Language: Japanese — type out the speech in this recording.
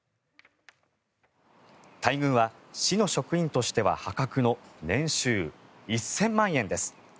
待遇は市の職員としては破格の年収１０００万円です。